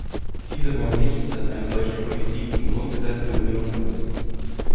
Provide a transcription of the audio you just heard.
Diese wollen nicht, dass eine solche Politik zum Grundgesetz der Union wird.